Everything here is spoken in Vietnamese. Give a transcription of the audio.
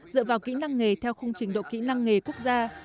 dựa vào kỹ năng nghề theo khung trình độ kỹ năng nghề quốc gia